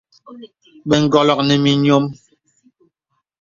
Bə ǹgɔlɔk nɔ mì nyɔm.